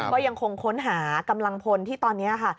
ก็ยังคงค้นหากำลังพลที่ตอนนี้ค่ะ